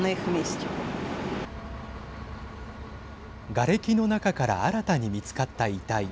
がれきの中から新たに見つかった遺体。